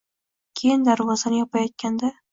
…Keyin darvozani yopayotganda